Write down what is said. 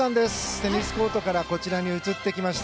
テニスコートからこちらに移ってきました。